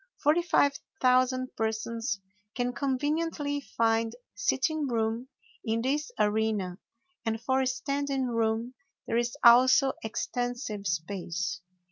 Forty five thousand persons can conveniently find sitting room in this arena, and for standing room there is also extensive space.